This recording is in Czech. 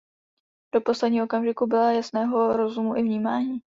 Do posledního okamžiku byla jasného rozumu i vnímání.